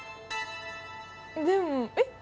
でもえっ？